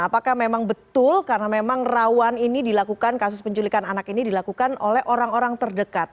apakah memang betul karena memang rawan ini dilakukan kasus penculikan anak ini dilakukan oleh orang orang terdekat